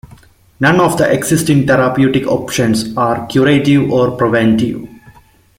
None of the existing therapeutic options are curative or preventive.